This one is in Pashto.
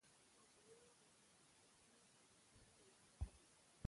او په يوه منفعل عنصر يې واړوله.